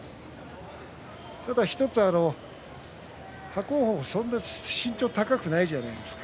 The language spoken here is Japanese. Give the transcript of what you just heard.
ただ伯桜鵬はそんなに身長は高くないじゃないですか。